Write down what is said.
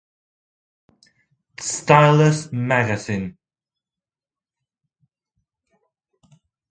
Stylus Magazine